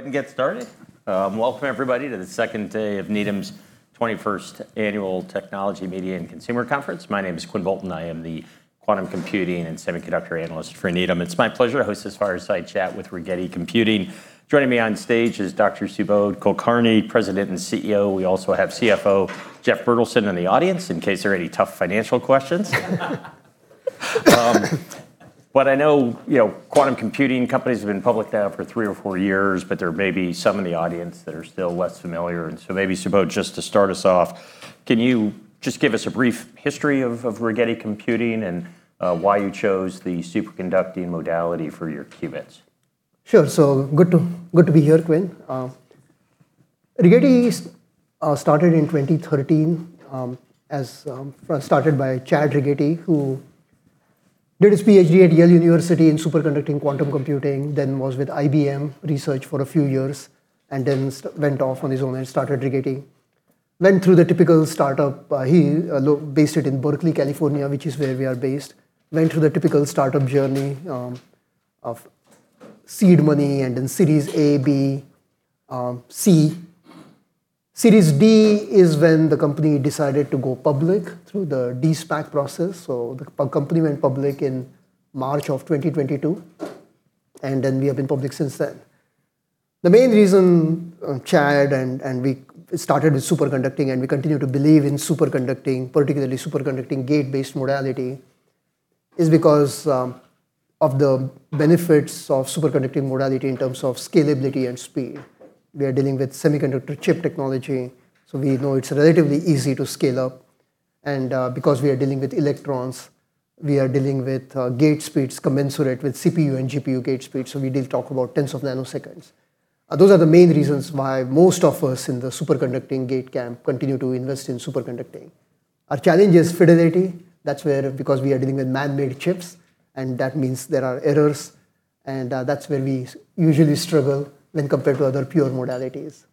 Go ahead and get started. Welcome everybody to the second day of Needham's 21st Annual Technology, Media, & Consumer Conference. My name is Quinn Bolton. I am the Quantum Computing and Semiconductor Analyst for Needham. It is my pleasure to host this fireside chat with Rigetti Computing. Joining me on stage is Dr. Subodh Kulkarni, President and CEO. We also have CFO Jeff Bertelsen in the audience in case there are any tough financial questions. I know, you know, quantum computing companies have been public now for three or four years, but there may be some in the audience that are still less familiar. So maybe, Subodh, just to start us off, can you just give us a brief history of Rigetti Computing and why you chose the superconducting modality for your qubits? Sure. Good to be here, Quinn. Rigetti started in 2013, as started by Chad Rigetti, who did his PhD at Yale University in superconducting quantum computing, then was with IBM Research for a few years and then went off on his own and started Rigetti. Went through the typical startup. He based it in Berkeley, California, which is where we are based. Went through the typical startup journey of seed money and in series A, B, C. Series D is when the company decided to go public through the de-SPAC process. The company went public in March of 2022, and then we have been public since then. The main reason, Chad and we started with superconducting, and we continue to believe in superconducting, particularly superconducting gate-based modality, is because of the benefits of superconducting modality in terms of scalability and speed. We are dealing with semiconductor chip technology, we know it's relatively easy to scale up. Because we are dealing with electrons, we are dealing with gate speeds commensurate with CPU and GPU gate speeds, we did talk about 10s of nanoseconds. Those are the main reasons why most of us in the superconducting gate camp continue to invest in superconducting. Our challenge is fidelity. That's where because we are dealing with man-made chips, that means there are errors, and that's where we usually struggle when compared to other pure modalities.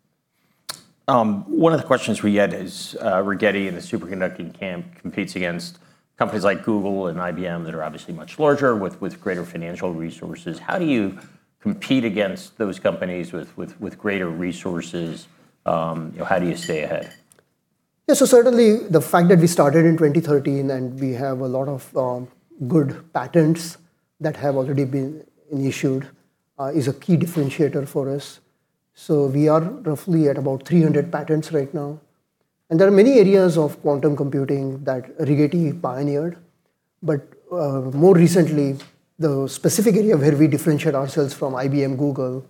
One of the questions we get is, Rigetti and the superconducting camp competes against companies like Google and IBM that are obviously much larger with greater financial resources. How do you compete against those companies with greater resources? You know, how do you stay ahead? Certainly the fact that we started in 2013 and we have a lot of good patents that have already been issued is a key differentiator for us. We are roughly at about 300 patents right now. There are many areas of quantum computing that Rigetti pioneered. More recently, the specific area where we differentiate ourselves from IBM, Google,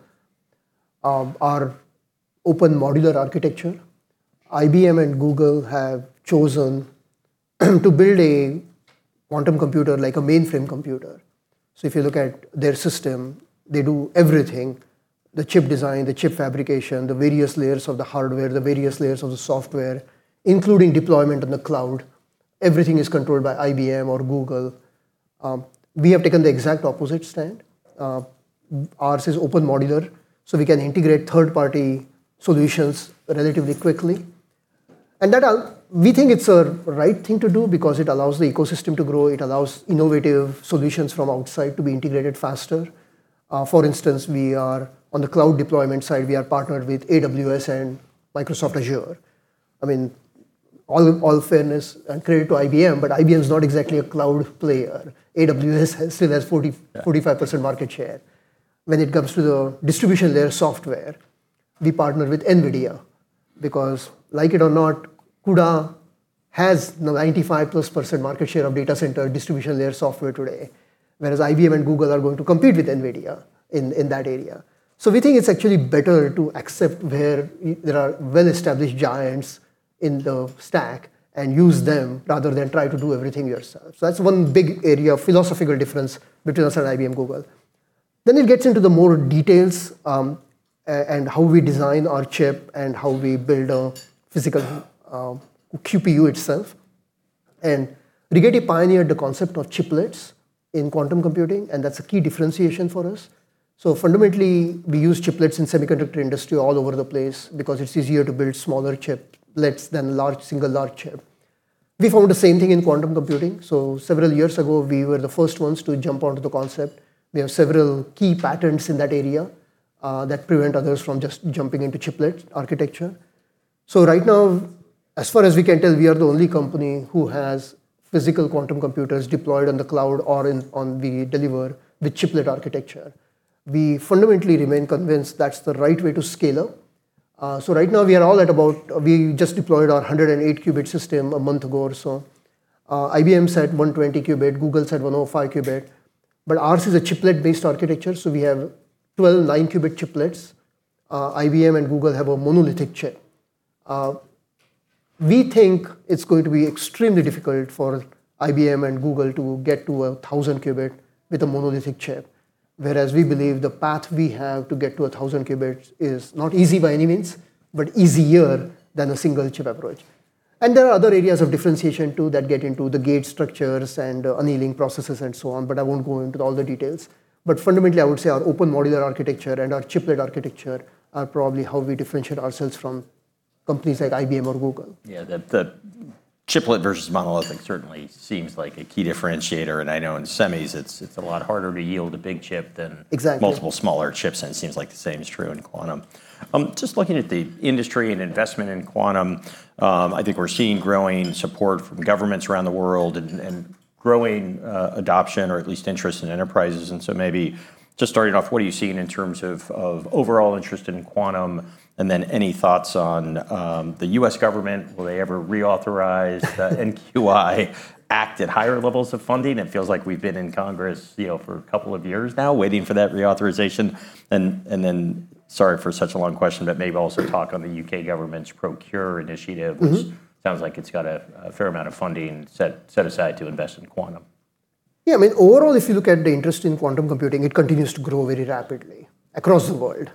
are open modular architecture. IBM and Google have chosen to build a quantum computer like a mainframe computer. If you look at their system, they do everything, the chip design, the chip fabrication, the various layers of the hardware, the various layers of the software, including deployment on the cloud. Everything is controlled by IBM or Google. We have taken the exact opposite stand. Ours is open modular, we can integrate third-party solutions relatively quickly. That we think it's a right thing to do because it allows the ecosystem to grow. It allows innovative solutions from outside to be integrated faster. For instance, we are on the cloud deployment side. We are partnered with AWS and Microsoft Azure. I mean, all fairness and credit to IBM is not exactly a cloud player. AWS still has 40%-45% market share. When it comes to the distribution layer software, we partner with NVIDIA because like it or not, CUDA has 95% plus market share of data center distribution layer software today, whereas IBM and Google are going to compete with NVIDIA in that area. We think it's actually better to accept where there are well-established giants in the stack and use them rather than try to do everything yourself. That's one big area of philosophical difference between us and IBM, Google. It gets into the more details and how we design our chip and how we build a physical QPU itself. Rigetti pioneered the concept of chiplets in quantum computing, and that's a key differentiation for us. Fundamentally, we use chiplets in semiconductor industry all over the place because it's easier to build smaller chiplets than single large chip. We found the same thing in quantum computing. Several years ago, we were the first ones to jump onto the concept. We have several key patents in that area that prevent others from just jumping into chiplet architecture. Right now, as far as we can tell, we are the only company who has physical quantum computers deployed on the cloud or in on the deliver with chiplet architecture. We fundamentally remain convinced that's the right way to scale up. Right now we are all at about We just deployed our 108-qubit system a month ago or so. IBM said 120-qubit. Google said 105-qubit. Ours is a chiplet-based architecture, we have 12 9-qubit chiplets. IBM and Google have a monolithic chip. We think it's going to be extremely difficult for IBM and Google to get to a 1,000 qubit with a monolithic chip, whereas we believe the path we have to get to 1,000 qubits is not easy by any means, but easier than a single chip approach. There are other areas of differentiation too that get into the gate structures and annealing processes and so on, I won't go into all the details. Fundamentally, I would say our open modular architecture and our chiplet architecture are probably how we differentiate ourselves from companies like IBM or Google. Yeah. That chiplet versus monolithic certainly seems like a key differentiator, and I know in semis it's a lot harder to yield a big chip than. Exactly. Multiple smaller chips, it seems like the same is true in quantum. Just looking at the industry and investment in quantum, I think we're seeing growing support from governments around the world and growing adoption or at least interest in enterprises. Maybe just starting off, what are you seeing in terms of overall interest in quantum? Then any thoughts on the U.S. government, will they ever reauthorize the NQI Act at higher levels of funding? It feels like we've been in Congress, you know, for a couple of years now waiting for that reauthorization. Sorry for such a long question, but maybe also talk on the U.K. government's ProQure initiative. Which sounds like it's got a fair amount of funding set aside to invest in quantum. Yeah. I mean, overall, if you look at the interest in quantum computing, it continues to grow very rapidly across the world.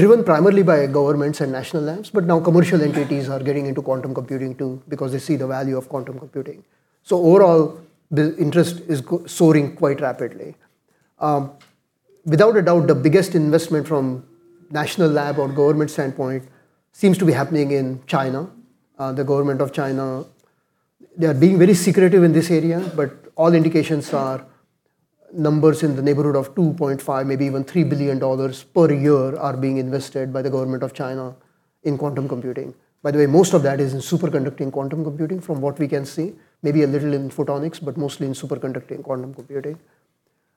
Driven primarily by governments and national labs, but now commercial entities are getting into quantum computing too because they see the value of quantum computing. Overall, the interest is soaring quite rapidly. Without a doubt, the biggest investment from national lab or government standpoint seems to be happening in China. The government of China, they are being very secretive in this area, but all indications are numbers in the neighborhood of $2.5, maybe even $3 billion per year are being invested by the government of China in quantum computing. By the way, most of that is in superconducting quantum computing from what we can see. Maybe a little in photonics, but mostly in superconducting quantum computing.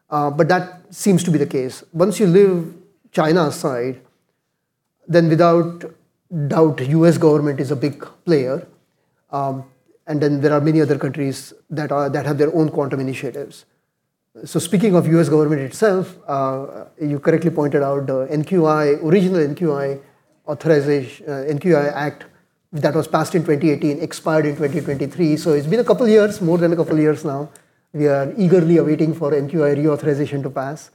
That seems to be the case. Once you leave China aside, without doubt U.S. government is a big player. There are many other countries that have their own quantum initiatives. Speaking of U.S. government itself, you correctly pointed out the original NQI Act that was passed in 2018, expired in 2023. It's been a couple of years, more than a couple of years now. We are eagerly waiting for NQI reauthorization to pass.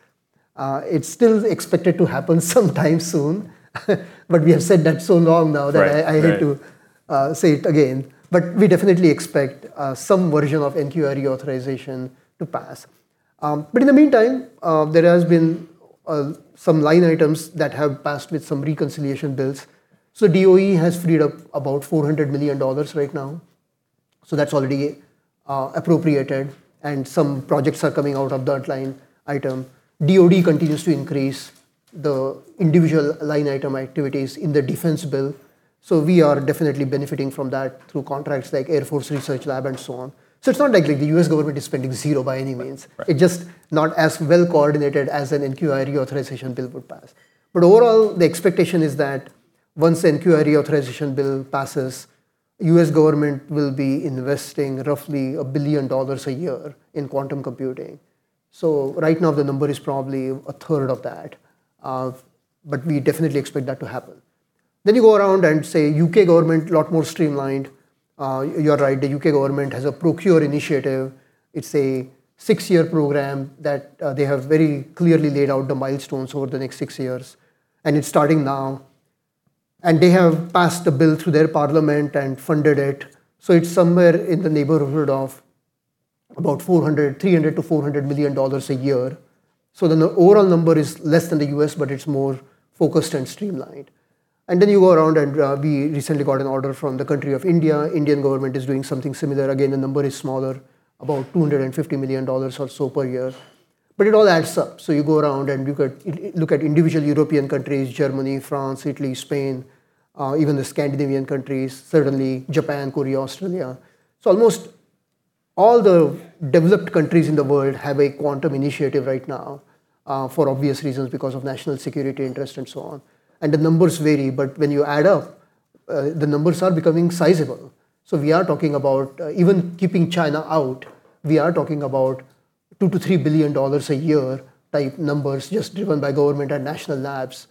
It's still expected to happen sometime soon. Right. Right. I hate to say it again. We definitely expect some version of NQI reauthorization to pass. In the meantime, there has been some line items that have passed with some reconciliation bills. DOE has freed up about $400 million right now, so that's already appropriated, and some projects are coming out of that line item. DOD continues to increase the individual line item activities in the defense bill, so we are definitely benefiting from that through contracts like Air Force Research Lab and so on. It's not like the U.S. government is spending zero by any means. Right. It's just not as well coordinated as an NQI reauthorization bill would pass. The expectation is that once the NQI reauthorization bill passes, U.S. government will be investing roughly $1 billion a year in quantum computing. Right now the number is probably a third of that, but we definitely expect that to happen. You go around and say, U.K. government, a lot more streamlined. You're right, the U.K. government has a ProQure initiative. It's a six-year program that they have very clearly laid out the milestones over the next six years, and it's starting now. They have passed the bill through their parliament and funded it. It's somewhere in the neighborhood of about $300 million-$400 million a year. The overall number is less than the U.S., but it's more focused and streamlined. You go around, we recently got an order from the country of India. Indian government is doing something similar. The number is smaller, about $250 million or so per year. It all adds up. You go around and you look at individual European countries, Germany, France, Italy, Spain, even the Scandinavian countries, certainly Japan, Korea, Australia. Almost all the developed countries in the world have a quantum initiative right now for obvious reasons, because of national security interest and so on. The numbers vary, but when you add up, the numbers are becoming sizable. We are talking about, even keeping China out, we are talking about $2 billion-$3 billion a year type numbers just driven by government and national labs.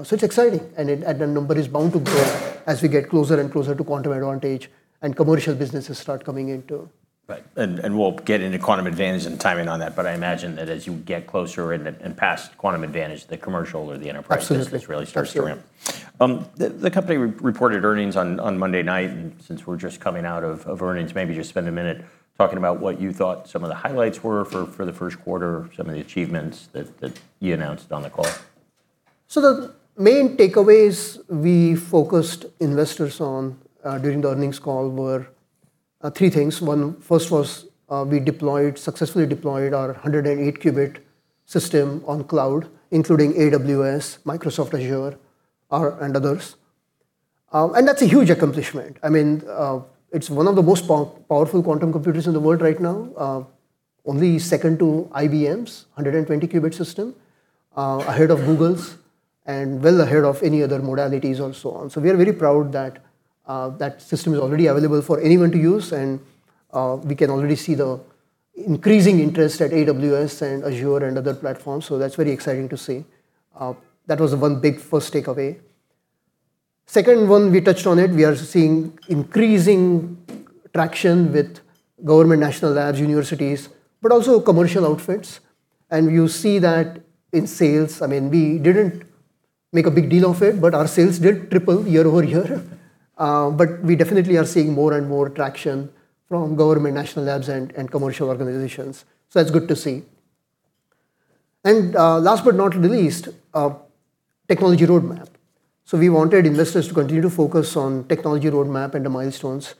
It's exciting and the number is bound to grow as we get closer and closer to quantum advantage and commercial businesses start coming in too. Right. We'll get into quantum advantage and timing on that. I imagine that as you get closer and past quantum advantage, the commercial or the enterprise business. Absolutely. really starts to ramp. The company reported earnings on Monday night. Since we're just coming out of earnings, maybe just spend a minute talking about what you thought some of the highlights were for the first quarter, some of the achievements that you announced on the call. The main takeaways we focused investors on during the earnings call were three things. First was, we successfully deployed our 108-qubit system on cloud, including AWS, Microsoft Azure, and others. That's a huge accomplishment. I mean, it's one of the most powerful quantum computers in the world right now. Only second to IBM's 120-qubit system, ahead of Google's and well ahead of any other modalities or so on. We are very proud that system is already available for anyone to use and we can already see the increasing interest at AWS and Azure and other platforms, that's very exciting to see. That was one big first takeaway. Second one, we touched on it, we are seeing increasing traction with government national labs, universities, but also commercial outfits. You see that in sales. I mean, we didn't make a big deal of it, but our sales did triple year-over-year. We definitely are seeing more and more traction from government national labs and commercial organizations, so that's good to see. Last but not least, technology roadmap. We wanted investors to continue to focus on technology roadmap and the milestones.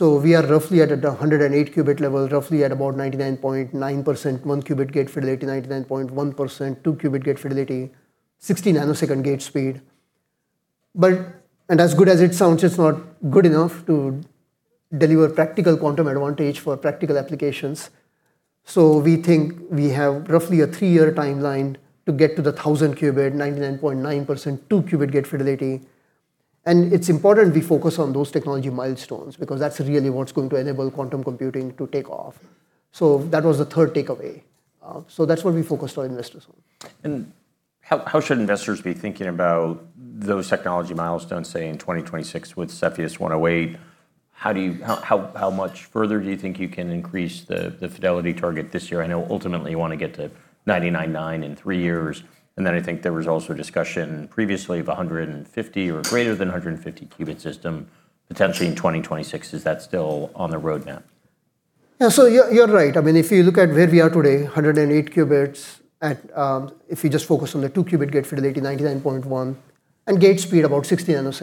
We are roughly at a 108-qubit level, roughly at about 99.9% 1-qubit gate fidelity, 99.1% 2-qubit gate fidelity, 60 ns gate speed. As good as it sounds, it's not good enough to deliver practical quantum advantage for practical applications. We think we have roughly a three-year timeline to get to the 1,000-qubit, 99.9% 2-qubit gate fidelity. It's important we focus on those technology milestones because that's really what's going to enable quantum computing to take off. That was the third takeaway. That's what we focused our investors on. How should investors be thinking about those technology milestones, say, in 2026 with Cepheus 108? How much further do you think you can increase the fidelity target this year? I know ultimately you wanna get to 99.9% in three years, and then I think there was also a discussion previously of a 150-qubit or greater than 150-qubit system potentially in 2026. Is that still on the roadmap? You're right. If you look at where we are today, 108 qubits at, if you just focus on the 2-qubit gate fidelity, 99.1%, and gate speed about 60 ns.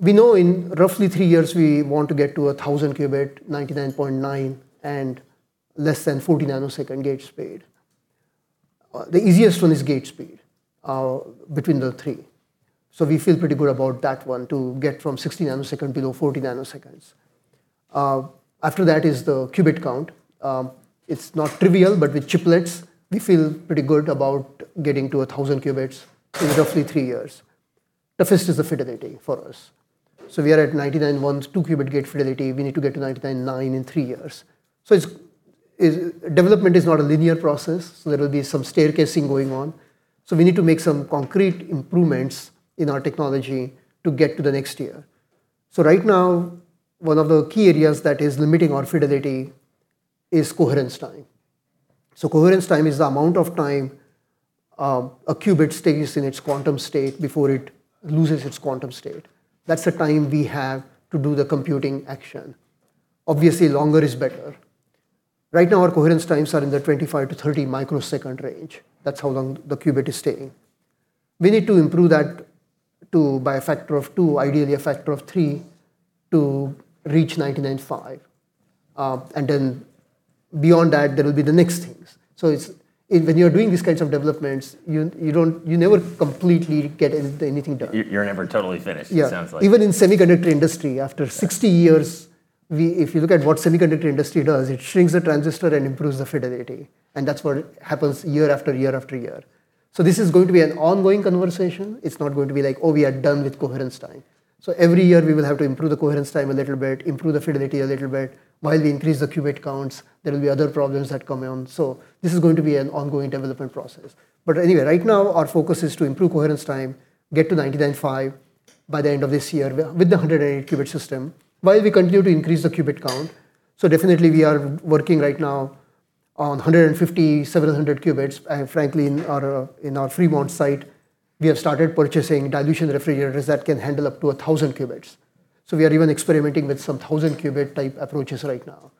We know in roughly three years we want to get to a 1,000-qubit, 99.9%, and less than 40 ns gate speed. The easiest one is gate speed between the three. We feel pretty good about that one, to get from 60 ns below 40 ns. After that is the qubit count. It's not trivial, but with chiplets, we feel pretty good about getting to 1,000 qubits in roughly three years. The first is the fidelity for us. We are at 99.1% 2-qubit gate fidelity. We need to get to 99.9% in three years. Development is not a linear process, so there will be some staircasing going on. We need to make some concrete improvements in our technology to get to the next year. Right now, one of the key areas that is limiting our fidelity is coherence time. Coherence time is the amount of time a qubit stays in its quantum state before it loses its quantum state. That's the time we have to do the computing action. Obviously, longer is better. Right now, our coherence times are in the 25 ms-30 ms range. That's how long the qubit is staying. We need to improve that to by a factor of 2, ideally a factor of 3, to reach 99.5%. Then beyond that, there will be the next things. When you're doing these kinds of developments, you don't, you never completely get anything done. You're never totally finished. Yeah. it sounds like. Even in semiconductor industry, after 60 years. Yeah. We, if you look at what semiconductor industry does, it shrinks the transistor and improves the fidelity, and that's what happens year after year after year. This is going to be an ongoing conversation. It's not going to be like, "Oh, we are done with coherence time." Every year we will have to improve the coherence time a little bit, improve the fidelity a little bit. While we increase the qubit counts, there will be other problems that come in. This is going to be an ongoing development process. Anyway, right now our focus is to improve coherence time, get to 99.5% by the end of this year with the 180-qubit system while we continue to increase the qubit count. Definitely we are working right now on 150 qubits, 700 qubits. Frankly, in our Fremont site, we have started purchasing dilution refrigerators that can handle up to 1,000 qubits. We are even experimenting with some 1,000-qubit type approaches right now.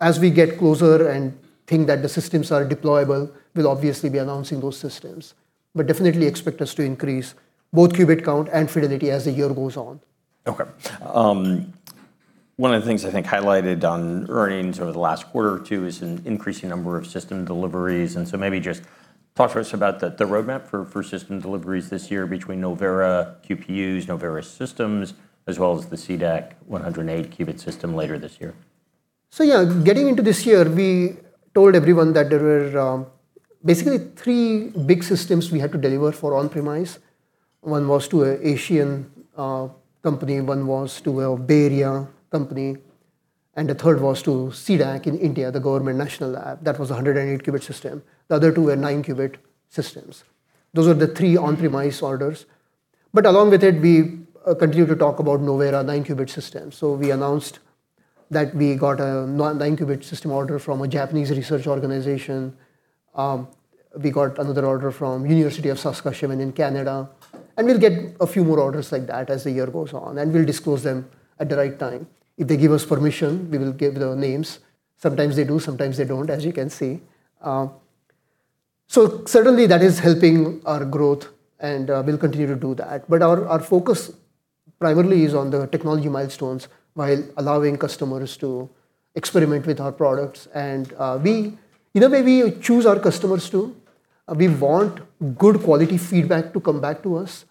As we get closer and think that the systems are deployable, we'll obviously be announcing those systems. Definitely expect us to increase both qubit count and fidelity as the year goes on. Okay. One of the things I think highlighted on earnings over the last quarter or two is an increasing number of system deliveries, maybe just talk to us about the roadmap for system deliveries this year between Novera QPUs, Novera systems, as well as the C-DAC 108-qubit system later this year. Yeah, getting into this year, we told everyone that there were basically three big systems we had to deliver for on-premise. One was to an Asian company, one was to a Bay Area company, and the third was to C-DAC in India, the government national lab. That was a 108-qubit system. The other two were 9-qubit systems. Those were the three on-premise orders. Along with it, we continued to talk about Novera 9-qubit system. We announced that we got a 9-qubit system order from a Japanese research organization. We got another order from University of Saskatchewan in Canada. We'll get a few more orders like that as the year goes on, and we'll disclose them at the right time. If they give us permission, we will give their names. Sometimes they do, sometimes they don't, as you can see. Certainly that is helping our growth, and we'll continue to do that. Our, our focus primarily is on the technology milestones while allowing customers to experiment with our products. We know, maybe we choose our customers too. We want good quality feedback to come back to us,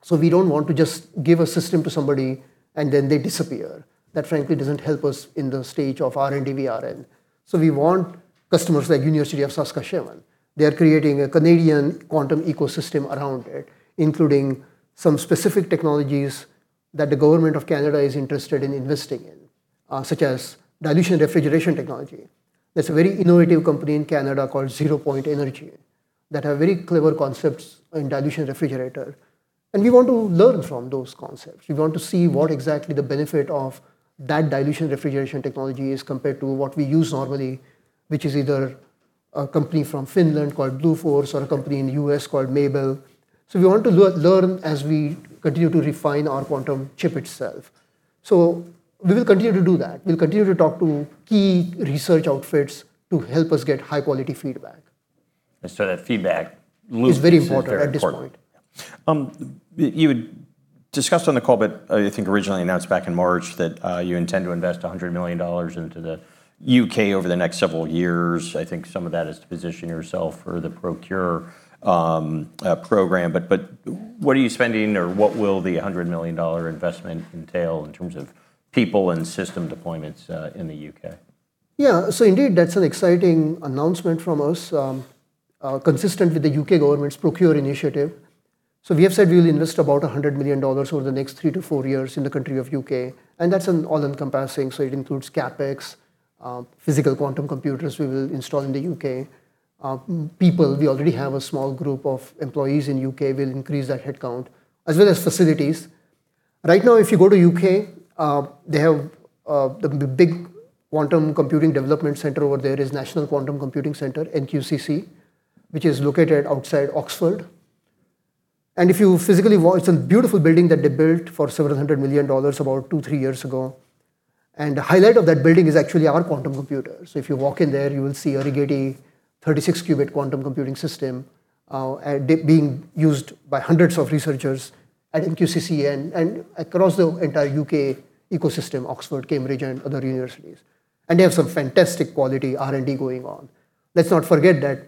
so we don't want to just give a system to somebody and then they disappear. That frankly doesn't help us in the stage of R&D we are in. We want customers like University of Saskatchewan. They are creating a Canadian quantum ecosystem around it, including some specific technologies that the government of Canada is interested in investing in, such as dilution refrigeration technology. There's a very innovative company in Canada called Zero Point Cryogenics that have very clever concepts in dilution refrigerator, and we want to learn from those concepts. We want to see what exactly the benefit of that dilution refrigeration technology is compared to what we use normally, which is either a company from Finland called Bluefors or a company in the U.S. called Maybell. We want to learn as we continue to refine our quantum chip itself. We will continue to do that. We'll continue to talk to key research outfits to help us get high-quality feedback. That feedback loop. Is very important at this point. You had discussed on the call, but I think originally announced back in March that you intend to invest $100 million into the U.K. over the next several years. I think some of that is to position yourself for the ProQure program. What are you spending or what will the $100 million investment entail in terms of people and system deployments in the U.K.? Yeah. Indeed, that's an exciting announcement from us, consistent with the U.K. government's ProQure initiative. We have said we'll invest about $100 million over the next three to four years in the country of U.K., and that's an all-encompassing. It includes CapEx, physical quantum computers we will install in the U.K. People, we already have a small group of employees in U.K. We'll increase that head count as well as facilities. Right now, if you go to U.K., they have the big quantum computing development center over there is National Quantum Computing Centre, NQCC, which is located outside Oxford. If you physically walk It's a beautiful building that they built for several hundred million dollars about two to three years ago. The highlight of that building is actually our quantum computers. If you walk in there, you will see a Rigetti 36-qubit quantum computing system, being used by hundreds of researchers at NQCC and across the entire U.K. ecosystem, Oxford, Cambridge, and other universities. They have some fantastic quality R&D going on. Let's not forget that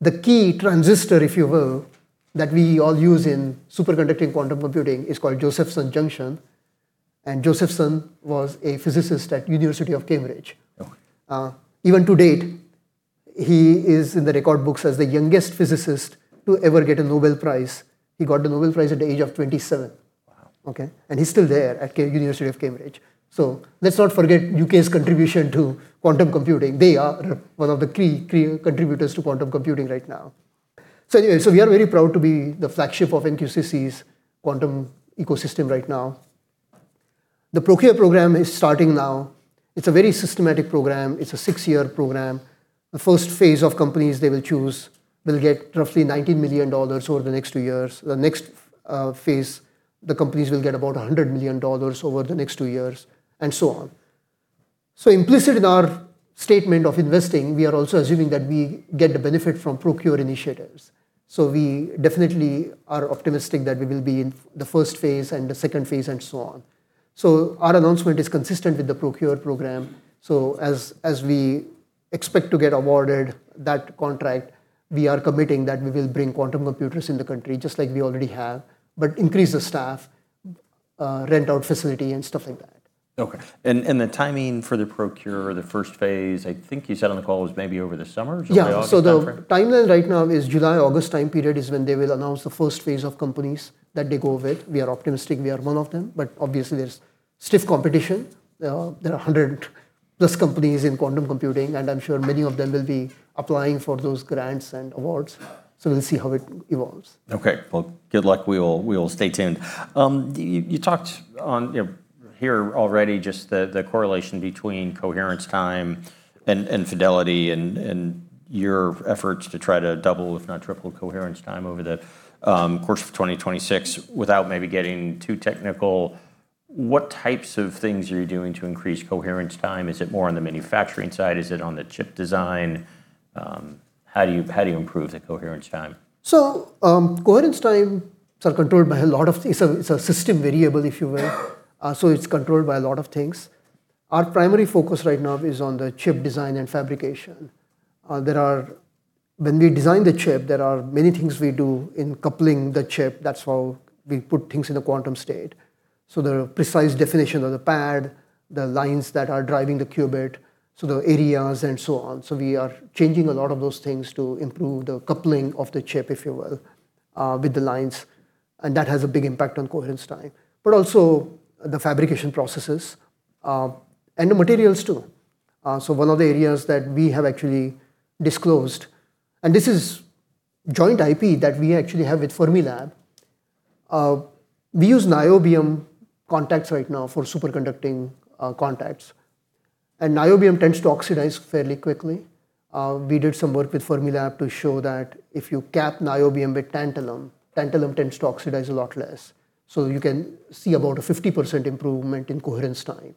the key transistor, if you will, that we all use in superconducting quantum computing is called Josephson junction, and Josephson was a physicist at University of Cambridge. Okay. Even to date, he is in the record books as the youngest physicist to ever get a Nobel Prize. He got the Nobel Prize at the age of 27. Wow. Okay? He's still there at University of Cambridge. Let's not forget U.K.'s contribution to quantum computing. They are one of the key contributors to quantum computing right now. Anyway, we are very proud to be the flagship of NQCC's quantum ecosystem right now. The ProQure program is starting now. It's a very systematic program. It's a six-year program. The first phase of companies they will choose will get roughly $90 million over the next two years. The next phase, the companies will get about $100 million over the next two years, and so on. Implicit in our statement of investing, we are also assuming that we get the benefit from ProQure initiatives. We definitely are optimistic that we will be in the first phase and the second phase, and so on. Our announcement is consistent with the ProQure program. As we expect to get awarded that contract, we are committing that we will bring quantum computers in the country, just like we already have, but increase the staff, rent out facility, and stuff like that. Okay. The timing for the ProQure, the first phase, I think you said on the call was maybe over the summer or July, August timeframe? Yeah. The timeline right now is July, August time period is when they will announce the first phase of companies that they go with. We are optimistic we are one of them, but obviously there's stiff competition. There are 100+ companies in quantum computing, and I'm sure many of them will be applying for those grants and awards. We'll see how it evolves. Okay. Well, good luck. We will stay tuned. You talked on, you know, here already just the correlation between coherence time and fidelity and your efforts to try to double, if not triple coherence time over the course of 2026. Without maybe getting too technical, what types of things are you doing to increase coherence time? Is it more on the manufacturing side? Is it on the chip design? How do you improve the coherence time? Coherence time is controlled by a lot of things. It's a system variable, if you will. It's controlled by a lot of things. Our primary focus right now is on the chip design and fabrication. When we design the chip, there are many things we do in coupling the chip. That's how we put things in a quantum state. The precise definition of the pad, the lines that are driving the qubit, so the areas and so on. We are changing a lot of those things to improve the coupling of the chip, if you will, with the lines, and that has a big impact on coherence time. Also the fabrication processes and the materials too. One of the areas that we have actually disclosed, and this is joint IP that we actually have with Fermilab, we use niobium contacts right now for superconducting contacts. Niobium tends to oxidize fairly quickly. We did some work with Fermilab to show that if you cap niobium with tantalum tends to oxidize a lot less. You can see about a 50% improvement in coherence time.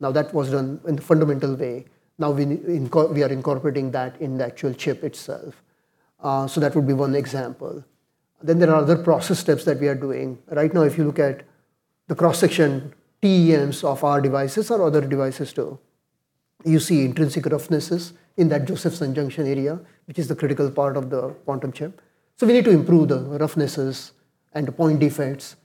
Now, that was done in a fundamental way. Now we are incorporating that in the actual chip itself. That would be one example. There are other process steps that we are doing. Right now, if you look at the cross-section TEMs of our devices or other devices too, you see intrinsic roughnesses in that Josephson junction area, which is the critical part of the quantum chip. We need to improve the roughnesses and the point defects,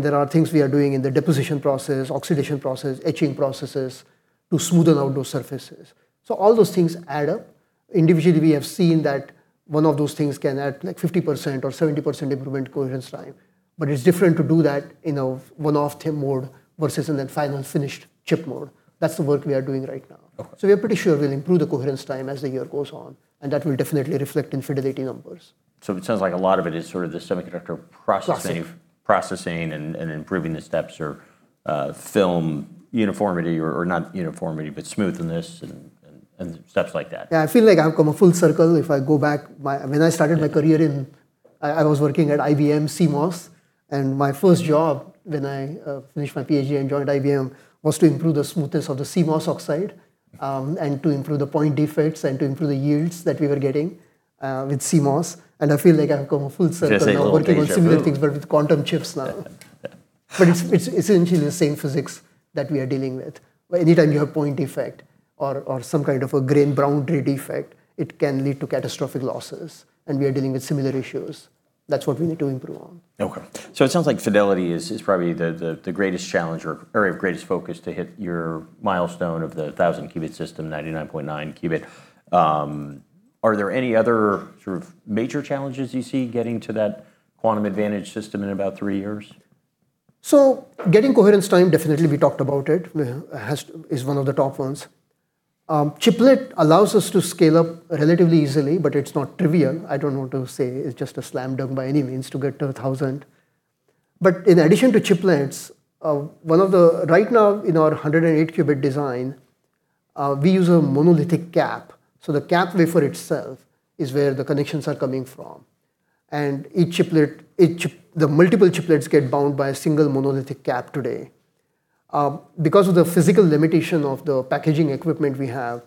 there are things we are doing in the deposition process, oxidation process, etching processes to smoothen out those surfaces. All those things add up. Individually, we have seen that one of those things can add like 50% or 70% improvement coherence time. It's different to do that in a one-off TIM mode versus in a final finished chip mode. That's the work we are doing right now. Okay. We are pretty sure we'll improve the coherence time as the year goes on, and that will definitely reflect in fidelity numbers. It sounds like a lot of it is sort of the semiconductor processing. Processing. Processing and improving the steps or film uniformity or not uniformity, but smoothness and steps like that. I feel like I've come a full circle if I go back. Yeah. I mean, I started my career in I was working at IBM CMOS, and my first job when I finished my PhD and joined IBM was to improve the smoothness of the CMOS oxide, and to improve the point defects and to improve the yields that we were getting with CMOS. I feel like I've come a full circle now working on similar things but with quantum chips now. Yeah. It's essentially the same physics that we are dealing with. Anytime you have point defect or some kind of a grain boundary defect, it can lead to catastrophic losses, and we are dealing with similar issues. That's what we need to improve on. Okay. It sounds like fidelity is probably the greatest challenge or area of greatest focus to hit your milestone of the 1,000-qubit system, 99.9 qubit. Are there any other sort of major challenges you see getting to that quantum advantage system in about three years? Getting coherence time, definitely we talked about it, has is one of the top ones. Chiplet allows us to scale up relatively easily, but it's not trivial. I don't want to say it's just a slam dunk by any means to get to 1,000 qubit. In addition to chiplets, Right now in our 108-qubit design, we use a monolithic cap. The cap wafer itself is where the connections are coming from, and each chiplet, the multiple chiplets get bound by a single monolithic cap today. Because of the physical limitation of the packaging equipment we have,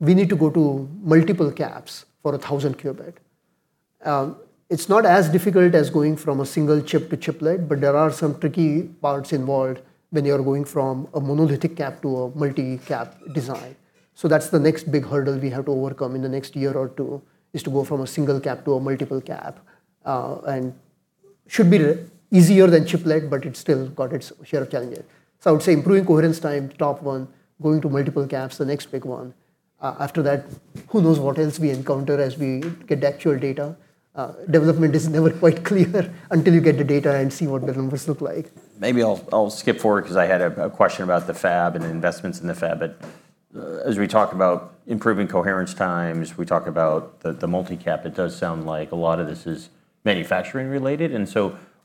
we need to go to multiple caps for 1,000-qubit. It's not as difficult as going from a single chip to chiplet, but there are some tricky parts involved when you are going from a monolithic chip to a multi-chip design. That's the next big hurdle we have to overcome in the next year or two, is to go from a single chip to a multiple chip. And should be easier than chiplet, but it's still got its share of challenges. I would say improving coherence time, top one. Going to multiple chips, the next big one. After that, who knows what else we encounter as we get the actual data. Development is never quite clear until you get the data and see what the numbers look like. Maybe I'll skip forward because I had a question about the fab and the investments in the fab. As we talk about improving coherence times, we talk about the multi-cap, it does sound like a lot of this is manufacturing related.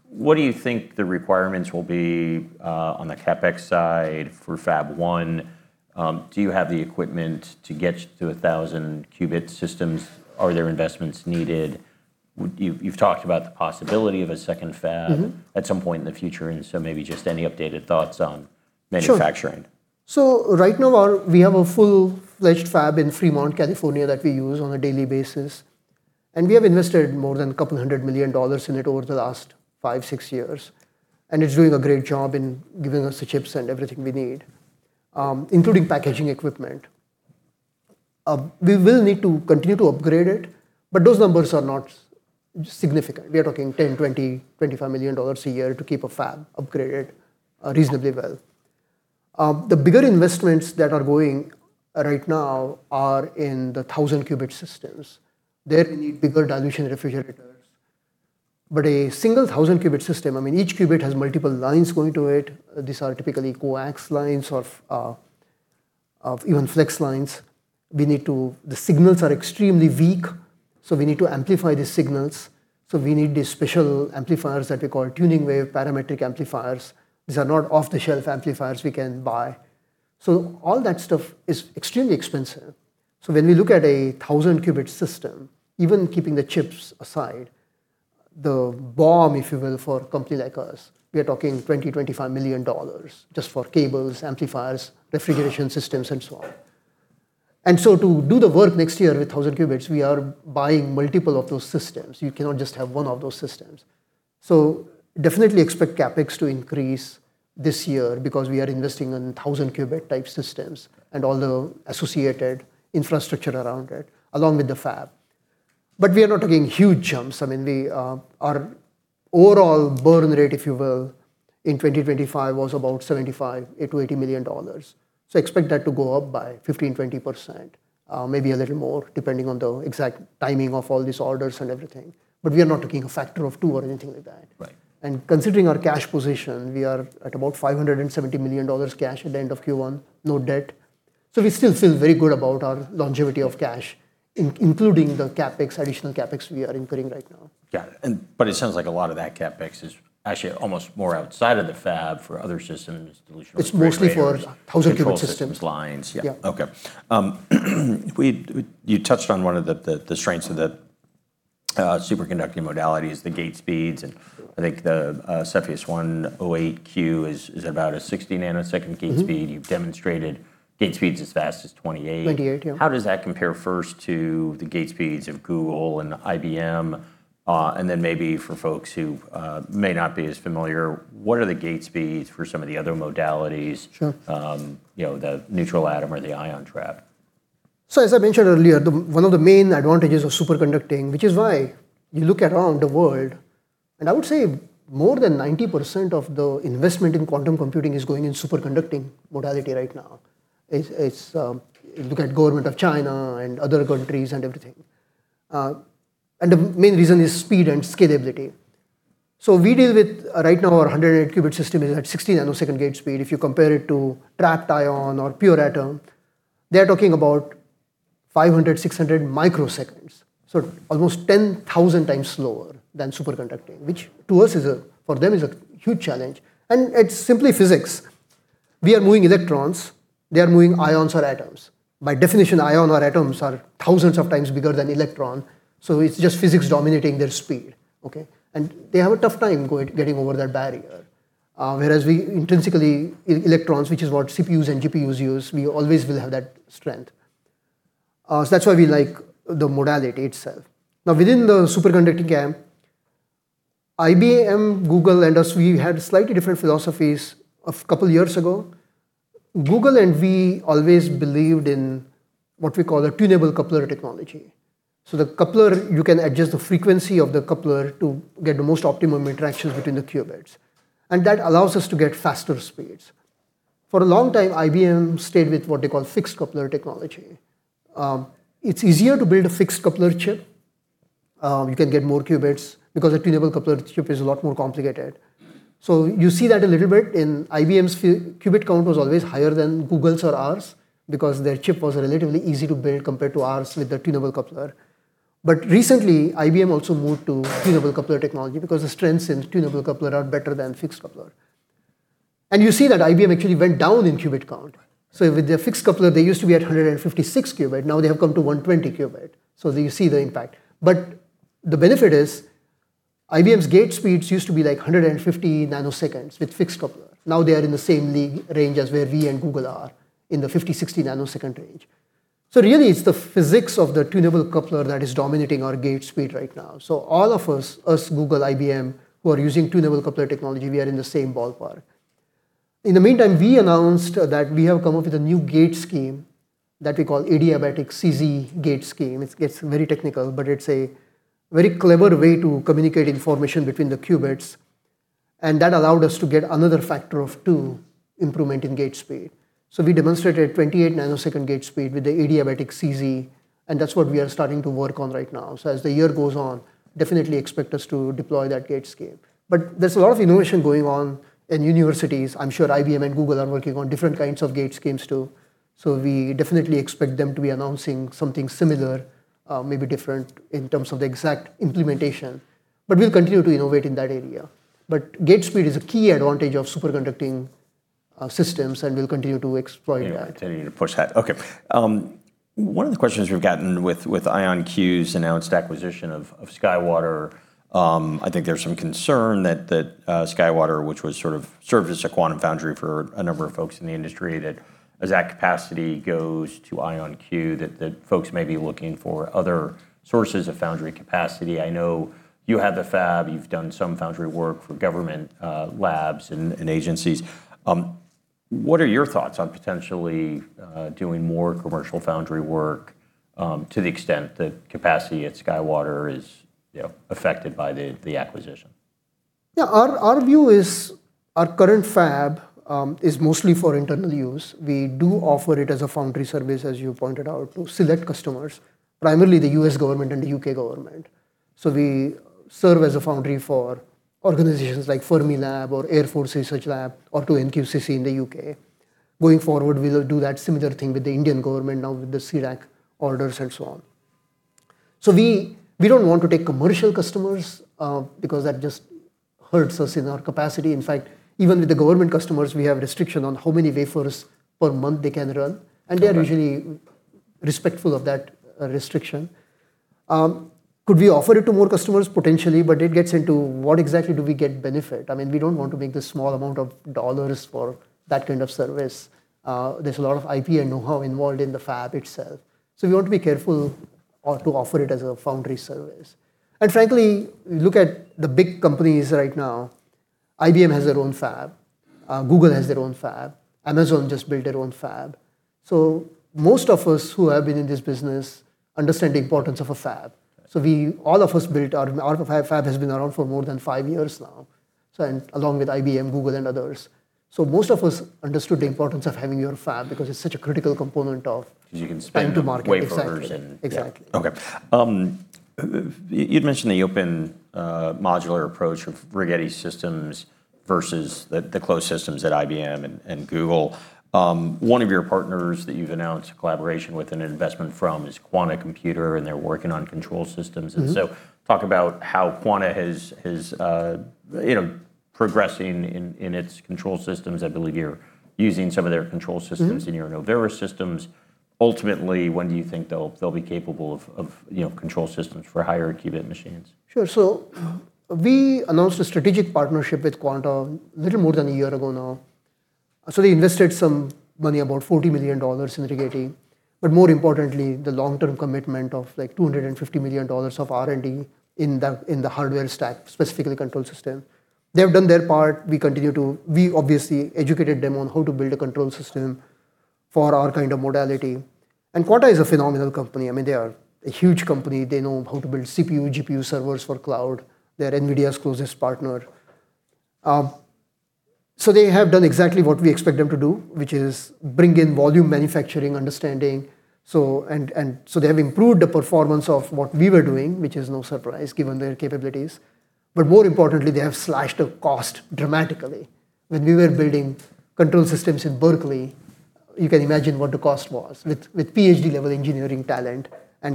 What do you think the requirements will be on the CapEx side for Fab-1? Do you have the equipment to get to 1,000-qubit systems? Are there investments needed? You've talked about the possibility of a second fab. At some point in the future, maybe just any updated thoughts on manufacturing? Sure. Right now we have a full-fledged fab in Fremont, California, that we use on a daily basis, and we have invested more than couple hundred million dollars in it over the last five, six years, and it's doing a great job in giving us the chips and everything we need, including packaging equipment. We will need to continue to upgrade it, those numbers are not significant. We are talking $10 million, $20 million, $25 million a year to keep a fab upgraded reasonably well. The bigger investments that are going right now are in the 1,000-qubit systems. There we need bigger dilution refrigerators. A single 1,000-qubit system, I mean, each qubit has multiple lines going to it. These are typically coax lines or even flex lines. The signals are extremely weak, we need to amplify the signals. We need these special amplifiers that we call traveling wave parametric amplifiers. These are not off-the-shelf amplifiers we can buy. All that stuff is extremely expensive. When we look at 1,000-qubit system, even keeping the chips aside, the BOM, if you will, for a company like us, we are talking $20 million-$25 million just for cables, amplifiers, refrigeration systems, and so on. To do the work next year with 1,000 qubits, we are buying multiple of those systems. You cannot just have one of those systems. Definitely expect CapEx to increase this year because we are investing in 1,000-qubit type systems and all the associated infrastructure around it, along with the fab. We are not taking huge jumps. I mean, the, our overall burn rate, if you will, in 2025 was about $75 million-$80 million. Expect that to go up by 15%-20%, maybe a little more, depending on the exact timing of all these orders and everything. We are not taking a factor of two or anything like that. Right. Considering our cash position, we are at about $570 million cash at the end of Q1, no debt. We still feel very good about our longevity of cash, including the CapEx, additional CapEx we are incurring right now. Got it. It sounds like a lot of that CapEx is actually almost more outside of the fab for other systems, dilution refrigerators. It's mostly for 1,000-qubit systems. Control systems, lines. Yeah. Yeah, okay. You touched on one of the strengths of the superconducting modalities, the gate speeds, and I think the Cepheus 108Q is about a 60 ns gate speed. You've demonstrated gate speeds as fast as 28 ns. 28 ns, yeah. How does that compare first to the gate speeds of Google and IBM? Maybe for folks who may not be as familiar, what are the gate speeds for some of the other modalities? Sure. You know, the neutral atom or the ion trap? As I mentioned earlier, one of the main advantages of superconducting, which is why you look around the world, and I would say more than 90% of the investment in quantum computing is going in superconducting modality right now. It's, look at government of China and other countries and everything. The main reason is speed and scalability. We deal with, right now our 108-qubit system is at 60 ns gate speed. If you compare it to trapped ion or pure atom, they are talking about 500 ms, 600 ms. Almost 10,000 times slower than superconducting, which for them is a huge challenge. It's simply physics. We are moving electrons, they are moving ions or atoms. By definition, ion or atoms are thousands of times bigger than electron, it's just physics dominating their speed. They have a tough time getting over that barrier. Whereas we intrinsically, electrons, which is what CPUs and GPUs use, we always will have that strength. That's why we like the modality itself. Now, within the superconducting camp, IBM, Google, and us, we had slightly different philosophies a couple years ago. Google and we always believed in what we call a tunable coupler technology. The coupler, you can adjust the frequency of the coupler to get the most optimum interactions between the qubits, and that allows us to get faster speeds. For a long time, IBM stayed with what they call fixed coupler technology. It's easier to build a fixed coupler chip. You can get more qubits because a tunable coupler chip is a lot more complicated. You see that a little bit in IBM's qubit count was always higher than Google's or ours because their chip was relatively easy to build compared to ours with the tunable coupler. Recently, IBM also moved to tunable coupler technology because the strengths in tunable coupler are better than fixed coupler. You see that IBM actually went down in qubit count. With their fixed coupler, they used to be at 156 qubit, now they have come to 120 qubit. You see the impact. The benefit is IBM's gate speeds used to be like 150 ns with fixed coupler. Now they are in the same league range as where we and Google are, in the 50 ns-60 ns range. Really it's the physics of the tunable coupler that is dominating our gate speed right now. All of us, Google, IBM, who are using tunable coupler technology, we are in the same ballpark. In the meantime, we announced that we have come up with a new gate scheme that we call adiabatic CZ gate scheme. It gets very technical, but it's a very clever way to communicate information between the qubits, and that allowed us to get another factor of 2 improvement in gate speed. We demonstrated 28 ns gate speed with the adiabatic CZ, and that's what we are starting to work on right now. As the year goes on, definitely expect us to deploy that gate scheme. There's a lot of innovation going on in universities. I'm sure IBM and Google are working on different kinds of gate schemes too. We definitely expect them to be announcing something similar, maybe different in terms of the exact implementation, but we'll continue to innovate in that area. Gate speed is a key advantage of superconducting systems, and we'll continue to exploit that. Yeah, continue to push that. Okay. One of the questions we've gotten with IonQ's announced acquisition of SkyWater, I think there's some concern that SkyWater, which was sort of served as a quantum foundry for a number of folks in the industry, that as that capacity goes to IonQ, that folks may be looking for other sources of foundry capacity. I know you have a fab, you've done some foundry work for government labs and agencies. What are your thoughts on potentially doing more commercial foundry work to the extent that capacity at SkyWater is, you know, affected by the acquisition? Yeah. Our view is our current fab is mostly for internal use. We do offer it as a foundry service, as you pointed out, to select customers, primarily the U.S. government and the U.K. government. We serve as a foundry for organizations like Fermilab or Air Force Research Lab or to NQCC in the U.K. Going forward, we will do that similar thing with the Indian government now with the C-DAC orders and so on. We don't want to take commercial customers because that just hurts us in our capacity. In fact, even with the government customers, we have a restriction on how many wafers per month they can run. Okay. And they're usually respectful of that restriction. Could we offer it to more customers? Potentially, but it gets into what exactly do we get benefit. I mean, we don't want to make the small amount of dollars for that kind of service. There's a lot of IP and knowhow involved in the fab itself. We want to be careful to offer it as a foundry service. Frankly, look at the big companies right now. IBM has their own fab. Google has their own fab. Amazon just built their own fab. Most of us who have been in this business understand the importance of a fab. Right. We, all of us built our fab has been around for more than five years now, along with IBM, Google, and others. Most of us understood the importance of having your own fab because it's such a critical component of- Because you can spend- time to market. Exactly. wafers and, yeah. Exactly. You'd mentioned the open, modular approach of Rigetti systems versus the closed systems at IBM and Google. One of your partners that you've announced a collaboration with an investment from is Quanta Computer, they're working on control systems. Talk about how Quanta has, you know, progressing in its control systems? I believe you're using some of their control systems, in your Novera systems. Ultimately, when do you think they'll be capable of, you know, control systems for higher qubit machines? Sure. We announced a strategic partnership with Quanta little more than a year ago now. They invested some money, about $40 million in Rigetti, but more importantly, the long-term commitment of, like, $250 million of R&D in the hardware stack, specifically control system. They've done their part. We obviously educated them on how to build a control system for our kind of modality. Quanta is a phenomenal company. I mean, they are a huge company. They know how to build CPU, GPU servers for cloud. They're NVIDIA's closest partner. They have done exactly what we expect them to do, which is bring in volume manufacturing understanding. They have improved the performance of what we were doing, which is no surprise given their capabilities. But more importantly, they have slashed the cost dramatically. When we were building control systems in Berkeley, you can imagine what the cost was with PhD-level engineering talent.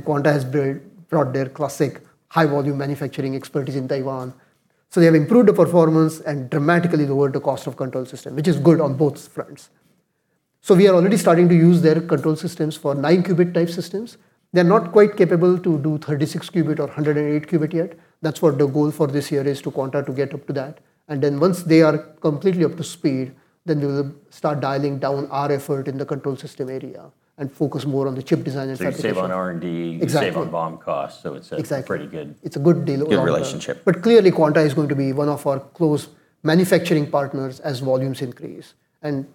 Quanta has brought their classic high-volume manufacturing expertise in Taiwan. They have improved the performance and dramatically lowered the cost of control system, which is good on both fronts. We are already starting to use their control systems for 9-qubit type systems. They're not quite capable to do 36-qubit or 108-qubit yet. That's what the goal for this year is to Quanta to get up to that. Once they are completely up to speed, we'll start dialing down our effort in the control system area and focus more on the chip design and fabrication. You save on R&D. Exactly. You save on BOM cost Exactly. pretty good- It's a good deal all around. good relationship. Clearly Quanta is going to be one of our close manufacturing partners as volumes increase, and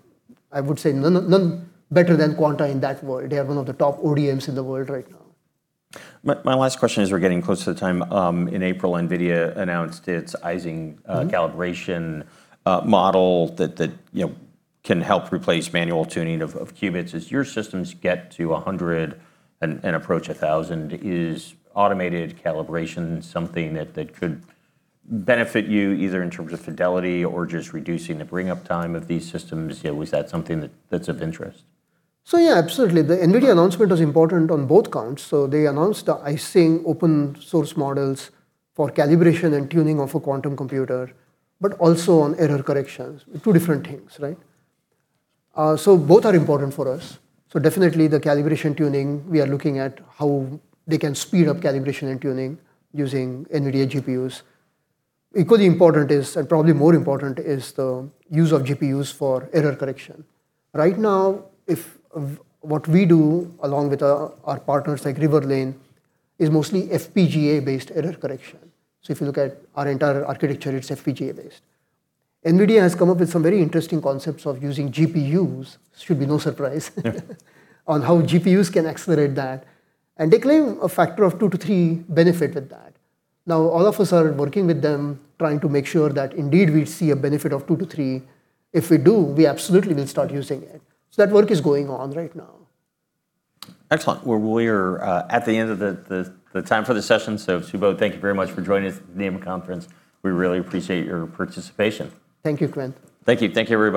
I would say none better than Quanta in that world. They are one of the top ODMs in the world right now. My last question is, we're getting close to the time, in April, NVIDIA announced its Ising, calibration model that, you know, can help replace manual tuning of qubits. As your systems get to 100 qubits and approach 1,000 qubits, is automated calibration something that could benefit you, either in terms of fidelity or just reducing the bring up time of these systems? You know, is that something that's of interest? Yeah, absolutely. The NVIDIA announcement was important on both counts. They announced the Ising open-source models for calibration and tuning of a quantum computer, but also on error corrections. Two different things, right? Both are important for us. Definitely the calibration tuning, we are looking at how they can speed up calibration and tuning using NVIDIA GPUs. Equally important is, and probably more important, is the use of GPUs for error correction. Right now, what we do, along with our partners like Riverlane, is mostly FPGA-based error correction. If you look at our entire architecture, it's FPGA based. NVIDIA has come up with some very interesting concepts of using GPUs, should be no surprise. Yeah. On how GPUs can accelerate that, and they claim a factor of 2x to 3x benefit with that. All of us are working with them, trying to make sure that indeed we see a benefit of 2x to 3x. If we do, we absolutely will start using it. That work is going on right now. Excellent. Well, we are at the end of the time for the session. Subodh, thank you very much for joining us at the AIME Conference. We really appreciate your participation. Thank you, Quinn. Thank you. Thank you, everybody.